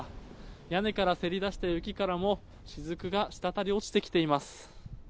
屋根からせり出した雪からも、しずくが滴り落ちてきています。